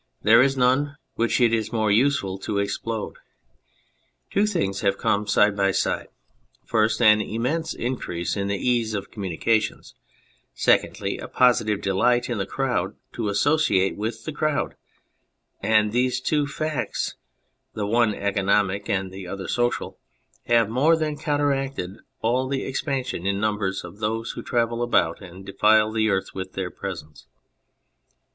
There is none which it is more useful to explode. Two things have come side by side : first, an immense increase in the ease of communications ; secondly, a positive delight in the crowd to associate with the crowd ; and these two facts, the one economic and the other social, have more than counteracted all the expansion in numbers of those who travel about and defile the earth with their presence.